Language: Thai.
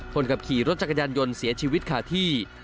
คนขับขี่รถจักรยานยนต์เสียชีวิตขาดที่